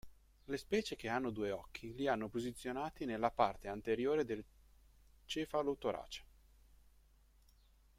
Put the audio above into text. Le specie che hanno due occhi li hanno posizionati nella parte anteriore del cefalotorace.